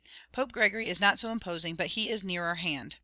Pope Gregory is not so imposing, but he is nearer hand.